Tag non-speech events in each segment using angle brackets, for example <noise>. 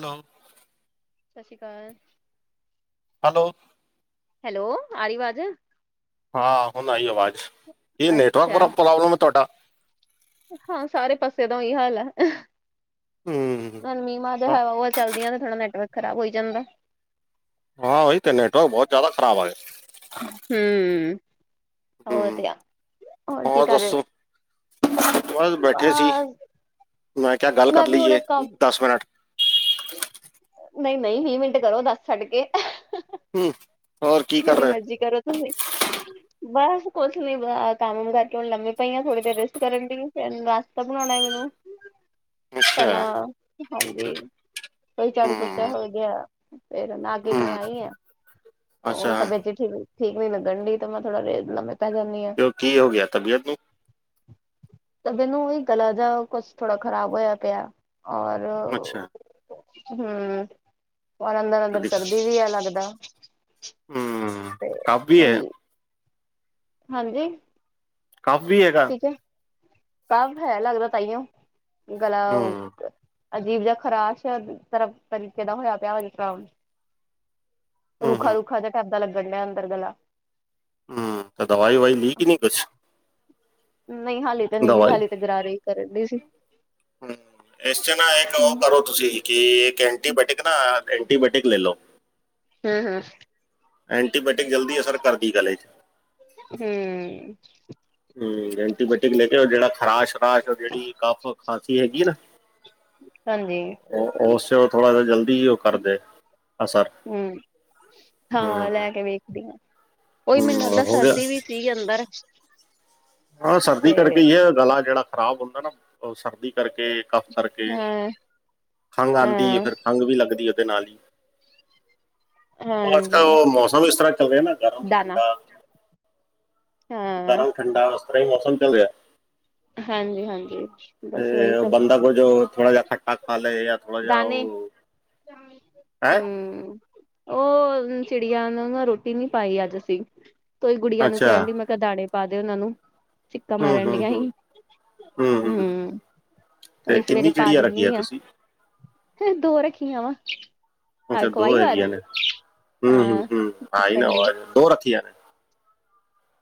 Hello ਸਤਿ ਸ਼੍ਰੀ ਅਕਾਲ ਹੈਲੋ ਹੈਲੋ ਆਰੀਵਾਜ਼ ਹਾਂ ਹੁਣ ਆਈ ਆਵਾਜ਼ ਕੀ ਅੱਛਾ ਨੈਟਵਰਕ ਪ੍ਰੋਬਲਮ ਹੈ ਤੁਹਾਡਾ ਹਾਂ ਸਾਰੇ ਪਾਸੇ ਦਾ ਹੀ ਹਾਲ ਹੈ। ਹੂੰ ਮੀ ਮਾਂ ਤੇ ਹਾਂ ਹਵਾ ਹੁਵਾ ਚਲਦੀਆਂ ਨੇ ਥੋੜ੍ਹਾ ਨੈਟਵਰਕ ਖਰਾਬ ਹੋ ਜਾਂਦਾ। ਹਾਂ ਵਹੀ ਤੇ ਨੇੈਟਵਰਕ ਬੋਤ ਜ਼ਿਆਦਾ ਖਰਾਬ ਆ ਗਏ। ਹਮ ਓ ਹੂੰ ਤੇ ਐ ਹੋਰ ਕੀ ਕਰ ਰਹੇ ਹੋ। ਬ ਬੈਠੇ ਸੀ ਬਸ ਮੈਂ ਕਿਹਾ ਗੱਲ ਮੈਂ ਕਰ ਵੀ ਹੁਣੇ ਲਈਏ ਕੰਮ ਦਸ ਮਿਨਟ। ਨਹੀਂ ਨਹੀਂ ਵੀਹ ਮਿੰਟ ਕਰੋ ਦੱਸ ਛੱਡ ਕੇ। ਹਮ ਜਿੰਨੀ ਮਰਜੀ ਕਰੋ ਤੁਸੀਂ। ਬਸ ਕੁਛ ਨੀ ਕੰਮ ਕਰਕੇ ਹੁਣ ਲੰਮੀੇ ਪਈਆਂ ਥੋੜੀ ਦੇਰ ਰੈਸਟ ਕਰਨ ਡ ਫਿਰ ਨਾਸਤਾ ਬਣਾਣਾ ਮੈਨੂੰ। <unintelligible> <inaudible> ਅੱਛਾ ਪੈਲਾਂ ਹਾਂਜੀ ਓਈ ਝਾੜੂ ਪੋਚਾ ਹੂੰ ਹੋ ਗਿਆ। ਫੇਿਰ ਨਾ ਗੇ ਹੁਣੇ ਹੂੰ ਆਈ ਆ। ਉਹ ਅੱਛਾ ਤਬਅਤੀ ਠੀ ਠੀਕ ਨੀ ਲਗਣ ਡੀ ਤਾਂ ਮ ੜਾ ਲ। ਪਾਂ ਜਾਂਦੀ ਹਾਂ ਕਿਉਂ ਕੀ ਹੋ ਗਿਆ ਤਬੀਅਤ ਨੂੰ ਤੇ ਮੈਨੂੰ ਉਹੀ ਗ ਲਾ ਜੇਆ ਕੁਛ ਥੋੜਾ ਖ਼ਰਾਬ ਹੋਇਆ ਪਿਆ। ਔਰ ਅੱਛਾ ਹਮ। ਉਹਰ ਅੰਦਰ ਅੰਦਰ ਸਰਦੀ ਵੀ ਆ ਲੱਗਦਾ। ਹਮ ਤੇ ਉਹੀ ਹਾਂਜੀ। ਕਾਫੀ ਵੀ ਹੈਗਾ। ਠੀਕ ਕਫ ਹੈ ਲੱਗਦਾ ਤਾਈਓ ਗਲਾ। ਹੂੰ ਅਜੀਬ ਜ ਖਰਾਸ਼ ਤਰ ਤਰੀਕੇ ਦਾ ਹੋਇਆ ਪਿਆ ਵਜ। ਹੂੰ ਰੁੱਖਾ ਹੂੰ ਰੁੱਖਾ ਦਾ ਟੈਬਾਂ ਲੱਗਣ ਡਿਆ ਅੰਦਰ ਗਲਾ। ਹਮ ਤੇ ਦਵਾਈ ਉਵਾਈ ਲਈ ਕਿ ਨਹੀਂ ਕੁਛ। ਨਹੀਂ ਹਾਲੀ ਤਾਂ ਨਹੀਂ ਦੀ ਦਵਾਈ ਹਾਲੀ ਤੇ ਗਰਾਰੇ ਈ ਕਰਨ ਡ ਸੀ। ਹਮ ਇਸ ਚ ਨਾ ਇੱਕ ਉਹ ਹਮ ਕਰੋ ਤੁਸੀਂ ਕਿ ਇੱਕ ਐਂਟੀਬਾਇਓਟਿਕ ਨਾ ਐਂਟੀਬਾਇਓਟਿਕ ਲੈ ਲਓ। ਹਮ ਹਮ ਐਂਟੀਬਾਇਓਟਿਕ ਜਲਦੀ ਅਸਰ ਕਰਦੀ ਗਲੇ 'ਚ। ਹਮ। ਹਮ ਐਂਟੀਬਾਇਓਟਿਕ ਲੈ ਕੇ ਜਿਹੜਾ ਖਰਾਸ਼ਰਾਸ਼ ਜਿਹੜੀ ਕਫ ਖਾਂਸੀ ਹੈਗੀ ਨਾ। ਹਾਂਜੀ। ਉਹ ਉਸ ਵੇਲੇ ਥੋੜਾ ਜਿਹਾ ਜਲਦੀ ਹੀ ਉਹ ਕਰਦੇ। ਅਸਰ ਹਮ ਹੂੰ ਹਾਂ ਲੈ ਕੇ ਵੇਖਦੀਆਂ। ਉਹੀ ਮੈਨੂੰ ਹੂੰ, ਲੱਗਦਾ ਹੋ ਗਿਆ ਸਰਦੀ ਵਿਚ ਹੀ ਅੰਦਰ। ਹਾਂ ਸਰਦੀ ਤੇ ਕਰਕੇ ਹੀ ਹੈ ਗਲਾ ਜਿਹੜਾ ਖ਼ਰਾਬ ਹੁੰਦਾ ਸਰਦੀ ਕਰਕੇ। ਕੱਫ ਕਰਕੇ ਹਾਂ ਖੰਘ ਆਉਂਦੀ ਹੈ ਹਾਂ ਫਿਰ ਖੰਘ ਵੀ ਲੱਗਦੀ ਇਹਦੇ ਨਾਲ ਹੀ। ਉਹ ਅੱਜ ਕਲ ਹਾਂਜੀ ਉਹ ਮੌਸਮ ਇਸ ਤਰ੍ਹਾਂ ਚੱਲ ਰਿਹਾ ਗਰਮ ਦਾਣਾ ਠੰਡਾ। ਹਾਂ ਗਰਮ ਠੰਡਾ ਉਸ ਤਰ੍ਹਾਂ ਮੌਸਮ ਚੱਲ ਰਿਹਾ। ਹਾਂਜੀ ਹਾਂਜੀ ਤੇ ਬੰਦਾ ਕੁਝ ਜੋ ਥੋੜਾ ਜਿਹਾ ਖੱਟਾ ਖਾ ਲੈ ਜਾਂ ਥੋੜਾ ਜਿਹਾ ਦਾਣੇ ਉਹ। ਹੈਂ ਹੂੰ ਉਹ ਚਿੜੀਆਂ ਨੂੰ ਨਾ ਰੋਟੀ ਨੀ ਪਾਈ ਅੱਜ ਅਸੀਂ ਕੋਈ ਗੁੜੀਆਂ ਨੂੰ ਅੱਛਾ ਕਹਿਣ ਡੀ ਮੈਂ। ਕੇ ਦਾਣੇ ਪਾ ਦੇ ਉਹਨਾਂ ਨੂੰ ਸਿੱਕਾਂ ਹੂੰ ਮਾਰਨ ਹੂੰ ਦੀਆਂ ਹੂੰ ਹੀ। ਹੂੰ ਹੂੰ। ਹਮ ਤੇ ਉਹੀ ਸਵੇਰੇ ਕਿੰਨੀ ਪਾ ਚਿੜੀਆਂ ਰੱਖੀਆਂ ਦਿੰਦੀ ਆਂ। ਤੁਸੀਂ ਫਿਰ ਦੋ ਰੱਖੀਆਂ ਵਾ। ਆ ਅੱਛਾ ਦੋ ਖਵਾਈ ਆਵਾਜ਼ ਹੈਗੀਆਂ ਨੇ ਹਮ ਹਮ ਹਾਂ ਹਮ ਆਹੀ ਚਿਕਨ ਨਾ ਦੀਆਂ ਆਵਾਜ ਦੋ ਰੱਖੀਆਂ ਨੇ।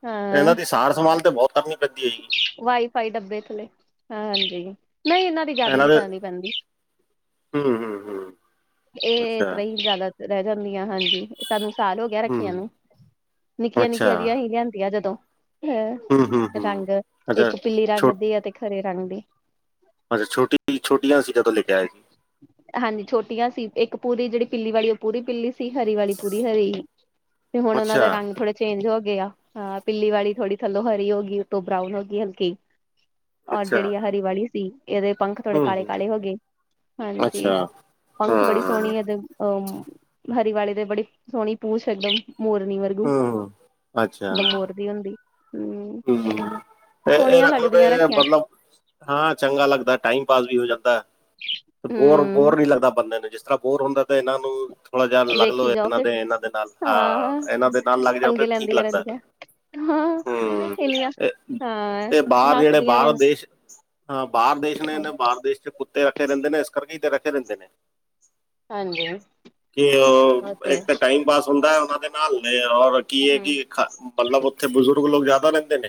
ਹਾਂ ਇਹਨਾਂ ਦੀ ਸਾਰ ਸੰਭਾਲ ਤੇ ਬਹੁਤ। ਕਰਨੀ ਪੈਂਦੀ ਹੈਗੀ ਵਾਈਫਾਈ ਡੱਬੇ ਥੱਲੇ ਹਾਂਜੀ ਨਹੀਂ ਇਹਨਾਂ ਦੀ ਜ਼ਿਆਦਾ ਨਹੀਂ ਕਰਨੀ ਪੈਂਦੀ। ਹਮ ਹਮ ਹਮ ਇਹ ਏਸ ਤਰ੍ਹਾਂ ਹੀ ਜ਼ਿਆਦਾ ਰਹਿ ਜਾਂਦੀਆਂ ਹਾਂਜੀ ਸਾਨੂੰ ਸਾਲ ਹੋ ਗਿਆ ਹੂੰ ਰੱਖੀਆਂ ਨੂੰ ਨਿੱਕੀਆਂ ਅੱਛਾ ਨਿੱਕੀਆਂ ਜਿਆਂ ਹੀ ਹੁੰਦੀਆਂ ਜਦੋਂ ਹੂੰ ਹੂੰ ਹੁੰ ਹੂੰ ਰੰਗ ਅੱਛਾ ਇੱਕ ਪੀਲੀ ਰੰਗ ਛੋਟ ਦੀ ਤੇ ਇੱਕ ਹਰੇ ਰੰਗ ਦੀ ਅੱਛਾ ਛੋਟੀ ਛੋਟੀਆਂ ਸੀ ਜਦੋਂ ਲੈ ਕੇ ਆਇਆ ਸੀ ਹਾਂਜੀ ਛੋਟੀਆਂ ਸੀ ਇੱਕ ਪੂਰੀ ਜਿਹੜੀ ਪਿੱਲੀ ਵਾਲੀ ਉਹ ਪੂਰੀ ਪਿੱਲੀ ਸੀ ਹਰੀ ਵਾਲੀ ਪੂਰੀ ਹਰੀ ਤੇ ਹੁਣ ਉਹ ਅੱਛਾ ਦੇ ਰੰਗ ਥੋੜੇ ਚੇਂਜ ਹੋ ਗਏ ਆ ਹਾਂ ਪਿੱਲੀ ਵਾਲੀ ਥੋੜੀ ਥੱਲੋਂ ਹਰੀ ਹੋ ਗਈ ਉਤੋਂ ਬਰਾਊਨ ਹੋ ਗਈ ਹਲਕੀ ਔਰ ਅੱਛਾ ਜਿਹੜੀ ਹਰੀ ਵਾਲੀ ਸੀ ਇਹਦੇ ਪੰਖ ਥੋੜੇ ਹੂੰ ਕਾਲੇ ਹੂੰ ਕਾਲੇ ਹੋ ਗਏ ਹਾਂਜੀ ਅੱਛਾ ਪੰਖ ਬੜੀ ਹਾਂ ਸੋਹਣੀ ਹੈ ਤੇ ਅਹ ਹਰੀ ਵਾਲੀ ਦੇ ਬੜੀ ਸੋਹਣੀ ਪੂਛ ਇਕਦਮ ਮੋਰਨੀ ਵਰਗੀ ਹੂੰ ਅੱਛਾ ਜਿਦਾ ਮੋਰਨੀ ਹੁੰਦੀ ਹੂੰ ਹਮ ਹਮ ਇਹ ਸੋਹਣੀਆਂ ਰੱਖ ਲਓ ਲੱਗਦੀਆਂ ਤੇ ਰੱਖੀਆਂ ਮਤਲਬ ਹਾਂ ਚੰਗਾ ਲੱਗਦਾ ਟਾਈਮ ਪਾਸ ਵੀ ਹੋ ਜਾਂਦਾ ਪਰ ਬੋਰ ਬੋਰ ਹੂੰ ਨੀ ਲੱਗਦਾ ਬੰਦੇ ਨੂੰ ਜਿਸ ਤਰ੍ਹਾਂ ਬੋਰ ਹੁੰਦਾ ਤੇ ਇਹਨਾਂ ਨੂੰ ਥੋੜਾ ਜਿਹਾ ਲੱਗ ਲਓ ਵੇਖੀ ਜਾਓ ਇਹਨਾਂ ਫਿਰ ਦੇ ਇਹਨਾਂ ਦੇ ਨਾਲ ਹਾਂ ਇਹਨਾਂ ਦੇ ਨਾਲ ਲੱਗ ਜਾਓ ਤੇ ਪੰਗੇ ਠੀਕ ਲੈਂਦੀਆਂ ਲੱਗਦਾ ਰਹਿੰਦੀਆਂ ਹਾਂ ਕਿਵੇਂ ਏ ਇਹ ਬਾਹਰ ਜਿਹੜੇ ਬਾਹਰ ਰਹਿੰਦੀਆਂ ਦੇਸ਼ ਹਾਂ ਬਾਹਰ ਦੇਸ਼ ਨੇ ਹਾਂਜੀ। ਬਾਹਰ ਦੇਸ਼ 'ਚ ਕੁੱਤੇ ਰੱਖੇ ਰਹਿੰਦੇ ਨੇ ਇਸ ਕਰਕੇ ਹੀ ਰੱਖੇ ਰਹਿੰਦੇ ਨੇ ਹਾਂਜੀ, ਕਿ ਉਹ ਤੇ ਹੈ ਇੱਕ ਤਾਂ ਟਾਈਮ ਪਾਸ ਹੁੰਦਾ ਉਹਨਾ ਦੇ ਨਾਲ ਔਰ ਕੀ ਹੈ ਹੂੰ-ਹੂੰ, ਕਿ ਮਤਲਬ ਉੱਥੇ ਬਜ਼ੁਰਗ ਲੋਕ ਜ਼ਿਆਦਾ ਰਹਿੰਦੇ ਨੇ,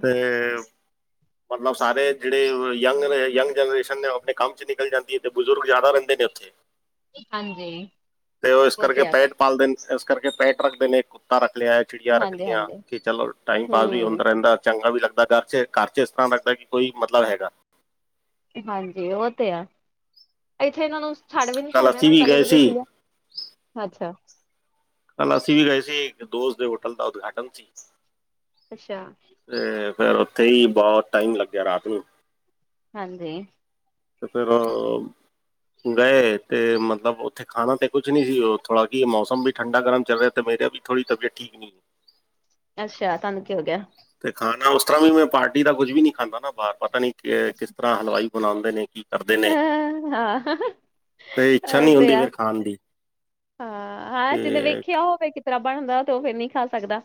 ਤੇ ਤੇ ਮਤਲਬ ਸਾਰੇ ਜਿਹੜੇ ਯੰਗ ਯੰਗ ਜਨਰੇਸ਼ਨ ਨੇ ਉਹ ਆਪਣੇ ਕੰਮ 'ਚ ਨਿਕਲ ਜਾਂਦੀ ਏ ਤੇ ਬਜ਼ੁਰਗ ਜ਼ਿਆਦਾ ਰਹਿੰਦੇ ਨੇ ਉੱਥੇ ਹਾਂਜੀ। ਤੇ ਉਹ ਇਸ ਕਰਕੇ ਤੇ ਆ ਪੈਟ ਪਲਦੇ ਨੇ ਇਸ ਕਰਕੇ ਪੈਂਟ ਰੱਖਦੇ ਨੇ ਕੁੱਤਾ ਰੱਖ ਲਿਆ ਇਕ ਚੀੜੀਆਂ ਰੱਖ ਲਈਆਂ ਹਾਂਜੀ-ਹਾਂਜੀ। ਕਿ ਚਲੋ ਟਾਈਮ ਪਾਸ ਵੀ ਹੂੰ, ਹੁੰਦਾ ਰਹਿੰਦਾ ਚੰਗਾ ਵੀ ਲੱਗਦਾ ਘਰ 'ਚ ਘਰ ਕੁਛ ਇਸ ਤਰ੍ਹਾਂ ਲੱਗਦਾ ਕਿ ਕੋਈ ਬੰਦਾ ਹੈਗਾ ਹਾਂਜੀ ਉਹ ਤੇ ਆ ਇੱਥੇ ਇਹਨਾਂ ਨੂੰ ਛੱਡ ਵੀ ਨੀ ਕੱਲ ਅਸੀਂ ਸਕਦੇ ਵੀ ਪਹਿਲੇ ਗਏ ਤਾਂ ਤੁਸੀਂ ਸੀ ਲਏ ਅੱਛਾ। ਕੱਲ ਅਸੀਂ ਵੀ ਗਏ ਸੀ ਦੋਸਤ ਦੇ ਹੋਟਲ ਦਾ ਉਦਘਾਟਨ ਸੀ। ਅੱਛਾ। ਤੇ ਫਿਰ ਉੱਥੇ ਹੀ ਬਹੁਤ ਟਾਈਮ ਲੱਗਿਆ ਰਾਤ ਨੂੰ ਹਾਂਜੀ ਫਿਰ ਉਹ ਗਏ ਤੇ ਮਤਲਬ ਉੱਥ ਖਾਣਾ ਤੇ ਕੁਛ ਨਹੀਂ ਸੀ ਉਹ ਥੋੜਾ ਮੌਸਮ ਵੀ ਠੰਡਾ ਗਰਮ ਚੱਲ ਰਿਹਾ ਤੇ ਮੇਰਾ ਵੀ ਥੋੜੀ ਤਬੀਅਤ ਠੀਕ ਨੀ ਅੱਛਾ ਤੁਹਾਨੂੰ ਕੀ ਹੋ ਗਿਆ। ਤੇ ਖਾਣਾ ਉਸ ਤਰ੍ਹਾਂ ਵੀ ਮੈਂ ਪਾਰਟੀ ਦਾ ਕੁੱਝ ਵੀ ਨੀ ਖਾਂਦਾ ਨਾ ਬਾਹਰ ਪਤਾ ਨੀ ਕਿਸ ਅ ਤਰ੍ਹਾਂ ਹਲਵਾਈ ਬਣਾਉਂਦੇ ਨੇ ਕੀ ਕਰਦੇ ਨੇ ਹਾਂ ਤੇ ਇੱਛਾ ਉਹ ਨਹੀਂ ਤੇ ਹੁੰਦੀ ਆ। ਫਿਰ ਖਾਣ ਦੀ ਹਾਂ ਹਾਂ ਜਿਨੇ ਤੇ ਵੇਖਿਆ ਹੋਵੇ ਕਿਸੇ ਤਰਾ ਬਣਦਾ ਤੇ ਉਹ ਫਿਰ ਨਹੀਂ ਖਾ ਸਕਦਾ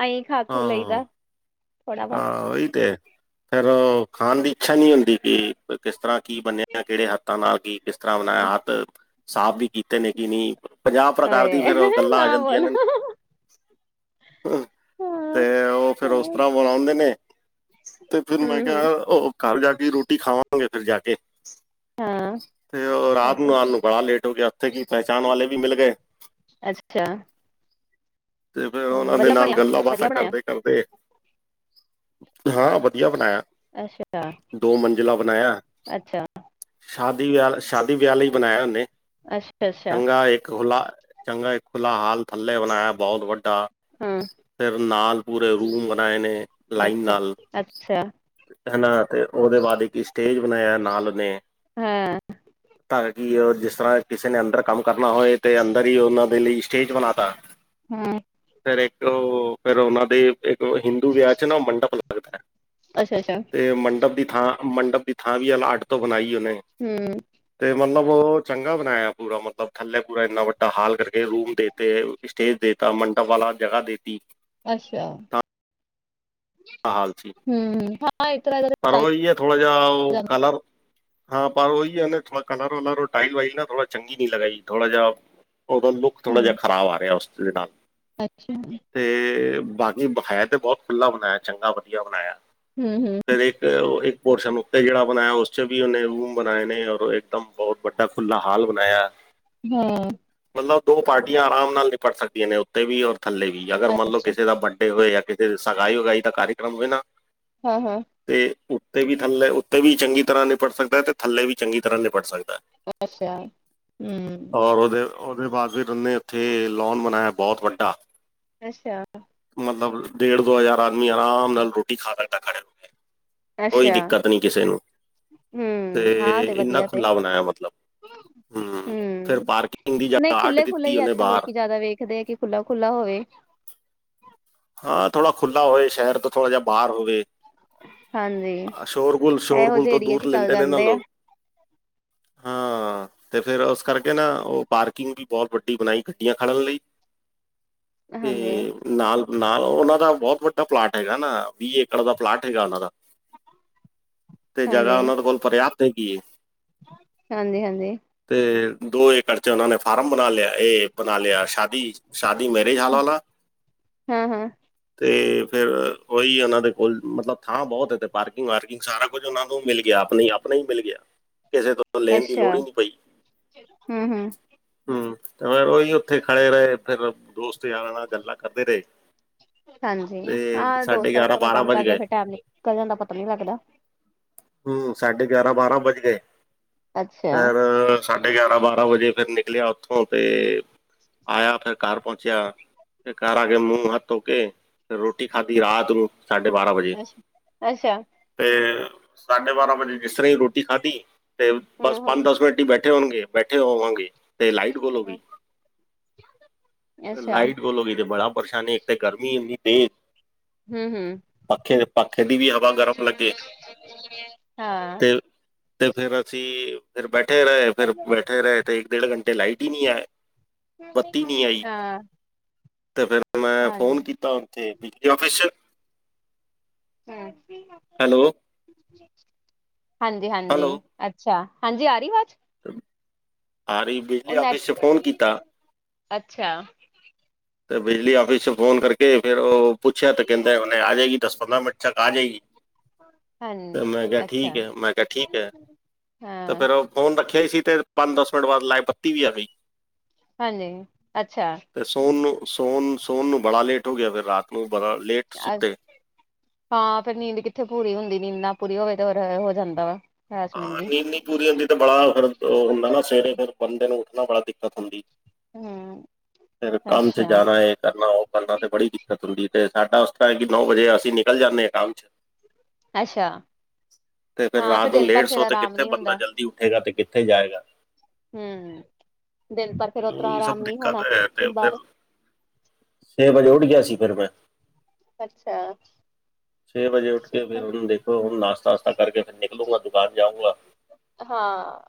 ਆਈ ਖਾ ਖੂ ਹਾਂ ਲਈਦਾ ਥੋੜਾ ਬਹੁਤ ਹਾਂ ਉਹੀ ਤੇ ਫਿਰ ਉਹ ਖਾਣ ਦੀ ਇੱਛਾ ਨਹੀਂ ਹੁੰਦੀ ਕਿ ਕਿਸ ਤਰ੍ਹਾਂ ਕੀ ਬੰਨਿਆ ਕਿਹੜੇ ਹੱਥਾਂ ਨਾਲ ਕੀ ਕਿਸ ਤਰ੍ਹਾਂ ਬਣਾਇਆ ਹੱਥ ਸਾਫ਼ ਵੀ ਕੀਤੇ ਨੇ ਕਿ ਨਹੀਂ ਪੰਜਾਹ ਸਕਾਰ ਦੀ ਫਿਰ ਅਰੇ ਗੱਲਾਂ ਆ ਨਾ ਜਾਂਦੀਆਂ ਬੋਲੋ। ਨੇ ਤੇ ਹੂੰ-ਹੂੰ, ਉਹ ਫਿਰ ਉਸ ਹਾਂ ਤਰ੍ਹਾਂ ਬੁਲਾਉਂਦੇ ਨੇ ਤੇ ਫਿਰ ਮੈਂ ਹਮ ਕਿਹਾ ਹਮ ਉਹ ਘਰ ਜਾ ਕੇ ਰੋਟੀ ਖਾਵਾਂਗੇ ਫਿਰ ਜਾ ਕੇ ਹਾਂ ਤੇ ਉਹ ਰਾਤ ਨੂੰ ਆ ਨੂੰ ਬੜਾ ਲੇਟ ਹੋ ਗਿਆ ਉੱਥੇ ਕੀ ਪਹਿਚਾਣ ਵਾਲੇ ਵੀ ਮਿਲ ਗਏ ਅੱਛਾ ਤੇ ਫਿਰ ਉਹਨਾਂ ਦੇ ਵਧੀਆ ਨਾਲ ਬਣਿਆ ਗੱਲਾਂ ਬਾਤ ਵਧੀਆ ਬਣਾਇਆ ਕਰਦੇ ਹਾਂ ਵਧੀਆ ਬਣਾਇਆ ਅੱਛਾ, ਦੋ ਮੰਜ਼ਿਲਾਂ ਬਣਾਇਆ ਅੱਛਾ, ਸ਼ਾਦੀ ਵਿਆਹ ਸ਼ਾਦੀ ਵਿਆਹਲੀ ਲਈ ਬਣਾਇਆ ਉਹਨੇ ਅੱਛਾ, ਅੱਛਾ ਚੰਗਾ ਇੱਕ ਹੋਲਾ ਚੰਗਾ ਇੱਕ ਖੁੱਲਾ ਥੱਲੇ ਬਣਾਇਆ ਬਹੁਤ ਵੱਡਾ ਹਾਂ। ਤੇ ਨਾਲ ਪੂਰੇ ਰੂਮ ਬਣਾਏ ਨੇ ਲਾਈਨ ਅੱਛਾ, ਨਾਲ ਅੱਛਾ ਹਨਾ ਤੇ ਉਹਦੇ ਬਾਅਦ ਕੀ ਸਟੇਜ ਬਣਾਇਆ ਨਾਲ ਨੇ, ਹਾਂ। ਤਾਂ ਕਿ ਜਿਸ ਤਰ੍ਹਾਂ ਕਿਸੇ ਨੇ ਅੰਦਰ ਕੰਮ ਕਰਨਾ ਹੋਏ ਤੇ ਅੰਦਰ ਹੀ ਉਹਨਾਂ ਦੇ ਲਈ ਸਟੇਜ ਬਣਾ ਤਾ, ਹੂੰ, ਫਿਰ ਇੱਕ ਉਹ ਫਿਰ ਉਹਨਾ ਦੇ ਇੱਕ ਹਿੰਦੂ ਵਿਆਹ ਚ ਨਾ ਉਹ ਮੰਡਪ ਲੱਗਦਾ ਹੈ। ਅੱਛਾ ਅੱਛਾ, ਤੇ ਮੰਡਪ ਦੀ ਥਾਂ ਮੰਡਪ ਦੀ ਥਾਂ ਵੀ ਆ ਅੱਟ ਤੋਂ ਬਣਾਈ ਉਹਨੇ ਹੂੰ ਤੇ ਮਤਲਬ ਉਹ ਚੰਗਾ ਬਣਾਇਆ ਪੂਰਾ ਮਤਲਬ ਥੱਲੇ ਪੂਰਾ ਇੰਨਾ ਵੱਡਾ ਹਾਲ ਕਰਕੇ ਰੂਮ ਦੇ ਤੇ ਸਟੇਜ ਦੇਤਾ ਮੰਡਪ ਵਾਲਾ ਜਗ੍ਹਾ ਦੇਤੀ। ਅੱਛਾ, ਹਾਲ ਸੀ। ਹੂੰ,,, <unintelligible> ਪਰ ਉਹੀ ਹੈ ਥੋੜਾ ਜਿਹਾ ਉਹ ਜਾਂਦਾ ਕਲਰ ਹਾਂ ਪਰ ਉਹੀ ਹੈ ਨਾ ਥੋੜਾ ਕਲਰ ਵਲਰ ਟਾਈਲ ਵਾਈਲ ਨਾ ਥੋੜਾ ਚੰਗੀ ਨੀ ਲਗਾਈ ਥੋੜਾ ਜਿਹਾ ਉਹਦਾ ਲੁੱਕ ਥੋੜ੍ਹਾ ਹੂੰ ਜਿਹਾ ਖ਼ਰਾਬ ਆ ਰਿਹਾ ਉਸ ਦੇ ਨਾਲ ਅੱਛਾ ਜੀ ਤੇ ਬਾਕੀ ਹੈ ਤੇ ਬਹੁਤ ਖੁੱਲਾ ਬਣਾਇਆ ਚੰਗਾ ਵਧੀਆ ਬਣਾਇਆ। ਹੂੰ-ਹੂੰ ਫਿਰ ਇੱਕ ਪੋਰਸ਼ਨ ਉੱਤੇ ਜਿਹੜਾ ਬਣਾਇਆ ਉਸ ਚ ਵੀ ਉਹਨੇ ਰੂਮ ਬਣਾਏ ਨੇ ਔਰ ਇੱਕਦਮ ਬਹੁਤ ਵੱਡਾ ਫੁੱਲਾਂ ਹਾਲ ਬਣਾਇਆ ਹੈਂ। ਮਤਲਬ ਦੋ ਪਾਰਟੀਆਂ ਆਰਾਮ ਨਾਲ ਨਿਪਟ ਸਕਦੀਆਂ ਨੇ ਉੱਤੇ ਵੀ ਔਰ ਥੱਲੇ ਵੀ, ਅਗਰ ਮੰਤਲਬ ਅੱਛਾ ਕਿਸੇ ਦਾ ਬਅ ਹੋਏ ਜਾਂ ਕਿਤੇ ਸਗਾਈ ਵਗਾਈ ਦਾ ਕਾਰਯਕ੍ਰਮ ਹੋਏ ਨਾ ਹੂੰ-ਹੂੰ, ਤੇ ਉੱਤੇ ਵੀ ਥੱਲੇ ਉੱਤੇ ਵੀ ਚੰਗੀ ਤਰ੍ਹਾਂ ਨਿਪਟ ਸਕਦਾ ਤੇ ਥੱਲੇ ਵੀ ਚੰਗੀ ਤਰ੍ਹਾਂ ਨਿਪਟ ਸਕਦੈ। ਅੱਛਾ ਹੂੰ, ਔਦੇ ਬਾਅਦ ਫੇਰ ਔਨੇ ਔਥੇ ਲੋਨ ਬਣਾਇਆ ਬੋਤ ਵੱਡਾ ਅੱਛਾ। ਮਤਲਬ ਡੇਢ ਦੋ ਹਜ਼ਾਰ ਆਦਮੀ ਆਰਾਮ ਨਾਲ ਰੋਟੀ ਖਾ ਸਕਦੈ ਖੜੇ ਕੋਈ ਅੱਛਾ-ਅੱਛਾ ਦਿੱਕਤ ਨੀ ਕਿਸੇ ਨੂੰ ਤੇ ਹੂੰ ਹਾਂ ਤੇ ਇੰਨਾ ਵਧੀਆ ਤੇ ਖੁਲਾ ਬਣਾਇਆ ਮਤਲਬ ਫਿਰ ਹੂੰ ਪਾਰਕਿੰਗ ਦੀ ਨਈ ਜਗ੍ਹਾ ਅੱਡ ਖੁੱਲ੍ਹੇ ਖੁੱਲੇ ਦਿੱਤੀ ਹੀ ਉਹਨੇ ਅੱਜ-ਕੱਲ੍ਹ ਬਾਹਰ ਲੋਕੀ ਜਾਦਾ ਵੇਖਦੇ ਆ ਕਿ ਖੁਲਾ- ਖੁਲਾ ਹੋਵੇ, ਹਾਂ ਥੋੜ੍ਹਾ ਖੁੱਲ੍ਹਾ ਹੋਵੇ ਸ਼ੈਰ ਤੋਂ ਥੋੜ੍ਹਾ ਜੇਹਾ ਬਾਰ ਹੋਵੇ। ਹਾਂਜੀ ਸ਼ੋਰਗੁਲ ਇਹੋ ਸ਼ੋਰਗੁਲ ਜਿਹੇ ਤੋਂ ਏਰੀਏ ਚ ਦੂਰ ਚੱਲ ਲੈਂਦੇ ਨੇ ਨਾ ਜਾਂਦੇ ਆ ਲੋਕ ਹਾਂ ਤੇ ਫੇਰ ਔਸ ਕਰਕੇ ਨਾ ਔ ਪਾਰਕਿੰਗ ਵੀ ਬੋਤ ਵੱਡੀ ਬਣਾਈ ਗੱਡੀਆਂ ਖੜਨ ਲਈ ਤੇ ਹਾਂਜੀ ਨਾਲ ਨਾਲ ਔਨਾਂ ਦਾ ਬੋਤ ਵੱਡਾ ਪਲਾਟ ਹੈਗਾ ਨਾ ਵੀਹ ਏਕੜ ਦਾ ਪਲਾਟ ਹੈਗਾ ਔਨਾਂ ਦਾ ਤੇ ਜਗ੍ਹਾ ਹਾਂਜੀ ਔਨਾਂ ਦੇ ਕੋਲ ਪਰਯਾਪਤ ਹੈ ਕੀ ਏ। ਹਾਂਜੀ ਹਾਂਜੀ ਤੇ ਦੋ ਏਕੜ ਚ ਔਨਾਂ ਨੇ ਫਾਰਮ ਬਣਾ ਲਿਆ। ਏ ਬਣਾ ਲਿਆ ਸ਼ਾਦੀ ਸ਼ਾਦੀ ਮੈ ਤੇ ਹਲਾਂ ਨਾ, ਹੰ ਹੰ ਤੇ ਫੇਰ ਔਈ ਔਨਾਂ ਦੇ ਕੋਲ ਮਤਲਬ ਥਾਂ ਬਹੋਤ ਇਥੇ ਪਾਰਕਿੰਗ ਵਾਰਕਿੰਗ ਸਾਰਾ ਕੁ ਕੁਝ ਔਨਾ ਕੋ ਮਿਲ ਗਿਆ ਆਪਣੀ ਆਪਣੇ ਹੀ ਮਿਲ ਗਿਆ ਕਿਸੇ ਤੋਂ ਲੈਣ ਦੀ ਅੱਛਾ ਲੋੜ ਈ ਨੀ ਪਈ, ਹਮ ਹਮ ਹਮ ਤੇ ਫੇਰ ਔਈ ਔਥੇ ਖੜੇ ਰੇ ਫੇਰ ਦੋਸਤ ਯਾਰਾਂ ਨਾਲ ਗੱਲਾਂ ਕਰਦੇ ਰੇ ਹਾਂਜੀ ਹਹ ਸਾਢੇ ਦੋਸਤ ਗਿਆਰਾਂ ਵਸਤੋ ਨਾਲ ਬਾਰਾਂ ਗੱਲ ਵੱਜ ਕਰਦੇ ਆ ਗਏ ਫਿਰ ਟੈਮ ਨਿਕਲ ਜਾਂਦਾ ਪਤਾ ਨੀ ਲੱਗਦਾ। ਹੂੰ ਸਾਢੇ ਗਿਆਰਾਂ, ਬਾਰਾਂ ਵੱਜ ਗੇ ਅੱਛਾ ਫੇਰ ਸਾਢੇ ਗਿਆਰਾਂ, ਬਾਰਾਂ ਵਜੇ ਫੇਰ ਨਿਕਲੇਆ ਔਥੋ ਤੇ ਆਯਾ ਫੇਰ ਘਰ ਪੋਂਚੇਯਾ ਫੇਰ ਘਰ ਆ ਕੇ ਮੂੰਹ ਮੁਹ ਹੱਥ ਧੋ ਕੇ ਰੋਟੀ ਖਾਧੀ ਰਾਤ ਨੂੰ ਸਾਢੇ ਬਾਰਾਂ ਵਜੇ। ਅੱਛਾ ਅੱਛਾ ਤੇ ਸਾਢੇ ਬਾਰਾਂ ਵਜੇ ਜਿਸ ਤਰ੍ਹਾਂ ਈ ਰੋਟੀ ਖਾਧੀ ਤੇ ਬਸ ਹਮ ਹਮ ਪੰਜ ਦਸ ਮਿੰਟ ਹੀ ਬੈਠੇ ਬੈਠੇ ਹੋਣਗੇ, ਬੈਠੇ ਹੋਵਾਂਗੇ। ਤੇ ਲਾਈਟ ਗੁਲ ਹੋਗੀ ਹਮ ਅੱਛਾ ਲਾਈਟ ਗੁਲ ਹੋਗੀ ਤੇ ਬੜਾ ਪਰੇਸ਼ਾਨੀ ਤੇ ਗਰਮੀ ਏਨੀ ਤੇਜ਼। ਹਮ ਹਮ ਪੱਖੇ ਪੱਖੇ ਦੀ ਵੀ ਹਵਾ ਗਰਮ ਲੱਗੇ <unintelligible> ਹਾਂ ਤੇ ਤੇ ਫੇਰ ਅਸੀਂ ਫੇਰ ਬੈਠੇ ਰੇ, ਫਿਰ ਬੈਠੇ ਰੇ ਤੇ ਏਕ ਡੇਢ ਘੰਟੇ ਲਾਈਟ ਹੀ ਨੀ ਆਏ। ਬੱਤੀ ਨੀ ਆਈ ਹਾਂ ਤੇ ਫੇਰ ਹਾਂਜੀ। ਤਾਂ ਔਥੇ ਬਿਜਲੀ ਔਫਿਸ ਹੰ, ਹੈਲੋ ਹਾਂਜੀ- ਹੈਲੋ ਹਾਂਜੀ। ਅੱਛਾ ਹਾਂਜੀ ਆ ਰੀ ਵਾਜ। ਆ ਰੀ ਬਿਜਲੀ ਨੈਟ ਆਫਿਸ ਸੇ ਫੋਨ ਕੀਤਾ। ਅੱਛਾ। ਤੇ ਬਿਜਲੀ ਆਫਿਸ ਚ ਫੋਨ ਕਰਕੇ ਫੇਿਰ ਔਹ ਪੁੱਛਿਆ ਤੇ ਕੈਂਦੇ ਔਨੇ ਆ ਜੇਗੀ ਦਸ ਪੰਦਰਾਂ ਮਿੰਟ ਛਾਕ ਆ ਜੇਗੀ। ਹਾਂ ਤੇ ਮੈਂ ਕਿਹਾ ਠੀਕ ਅੱਛਾ ਹੈ ਮੈਂ ਕਿਹਾ ਠੀਕ ਹੈ ਤੇ ਹਾਂ ਫਿਰ ਉਹ ਫੋਨ ਰੱਖਿਆ ਹੀ ਸੀ ਤੇ ਪੰਜ ਦਸ ਮਿੰਟ ਬਾਅਦ ਲੈ ਬੱਤੀ ਵੀ ਆ ਗਈ। ਹਾਂਜੀ ਅੱਛਾ ਤੇ ਸੋਣ ਨੂੰ ਸੋਣ ਸੋਣ ਨੂੰ ਬੜਾ ਲੇਟ ਹੋ ਗਿਆ ਫਿਰ ਰਾਤ ਨੂੰ ਬੜਾ ਲੇਟ ਅ ਸੁੱਤੇ ਹਾਂ ਫਿਰ ਨੀਂਦ ਕਿੱਥੇ ਪੂਰੀ ਹੁੰਦੀ ਨੀਂਦ ਨਾ ਪੂਰੀ ਹੋਵੇ ਤੇ <unintelligible> ਹੋ ਜਾਂਦਾ ਵਾ ਹਰਾਸਮੈਂਟ ਹਾਂ ਜੀ ਨੀਂਦ ਨੀ ਪੂਰੀ ਹੁੰਦੀ ਤੇ ਬੜਾ ਫਿਰ ਉਹ ਹੁੰਦਾ ਨਾ ਸਵੇਰੇ ਫਿਰ ਬੰਦੇ ਨੂੰ ਉੱਠਣਾ ਬੜਾ ਦਿੱਕਤ ਹੁੰਦੀ ਹੂੰ ਫਿਰ ਕੰਮ ਚ ਅੱਛਾ ਜਾਣਾ ਹੈ ਕਰਨਾ ਹੋ ਬੰਦਾ ਤੇ ਬੜੀ ਦਿੱਕਤ ਹੁੰਦੀ ਹੈ ਤੇ ਸਾਡਾ ਉਸ ਤਰ੍ਹਾਂ ਕਿ ਨੌ ਵਜੇ ਅਸੀਂ ਨਿਕਲ ਜਾਂਦੇ ਹਾਂ ਕੰਮ ਚ ਅੱਛਾ ਹਾਂ ਫਿਰ ਦਿਨ ਡੇਢ ਭਰ ਫੇਰ ਸੌ ਤੇ ਆਰਾਮ ਕਿੱਥੇ ਨੀ ਬੰਦਾ ਹੁੰਦਾ ਜਲਦੀ ਉੱਠੇਗਾ ਤੇ ਕਿੱਥੇ ਜਾਏਗਾ ਹੂੰ ਦਿਨ ਪਰ ਫਿਰ ਓ ਤਰ ਉਹੀ ਆਰਾਮ ਸਭ ਨੀ ਦਿੱਕਤ ਹੋਣਾ ਬਾਹਰ ਛੇ ਵਜੇ ਉੱਠ ਗਿਆ ਸੀ ਫਿਰ ਮੈਂ ਅੱਛਾ ਛੇ ਵਜੇ ਉੱਠ ਕੇ ਫਿਰ ਹੁਣ ਦੇਖੋ ਨਾਸ਼ਤਾ ਵਸ਼ਤਾ ਕਰਕੇ ਫਿਰ ਨੀ <unintelligible> ਦੁਕਾਨ ਜਾਊਂਗਾ ਹਾਂ।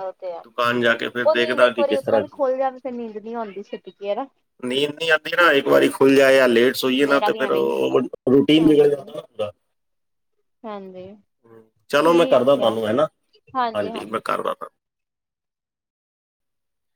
ਉਹ ਤੇ ਦੁਕਾਨ ਜਾ ਕੇ ਫਿਰ ਉਹ ਨੀਂਦ ਦੇਖਦਾ ਇੱਕ ਕਿ ਵਾਰੀ ਕਿਸ ਉਤਰ ਤਰ੍ਹਾਂ ਵੀ ਖੁੱਲ ਜਾਂਵੇ ਫਿਰ ਨੀਂਦ ਨੀ ਆਉਂਦੀ ਫਿਰ ਟਿੱਕਿਆ ਰਹਿ ਨੀਂਦ ਨਹੀਂ ਆਂਦੀ ਨਾ ਇੱਕ ਵਾਰੀ ਖੁੱਲ ਜਾਏ ਜਾ ਲੇਟ ਸੋਈਏ ਨਾ ਮੇਰਾ ਤੇ ਵੀ ਫਿਰ ਐਵੇਂ ਹੀ ਹੁੰਦਾ ਰੂਟੀਨ ਵਿਗੜੇ ਹਾਂਜੀ ਮਤਲਬ ਹੁੰਦਾ ਹਾਂਜੀ ਚਲੋ ਮੈਂ ਕਰਦਾ ਠੀਕ ਆ ਤੁਹਾਨੂੰ ਹੈ ਨਾ ਹਾਂਜੀ ਮੈਂ ਹਾਂਜੀ ਠੀਕ ਕਰਦਾ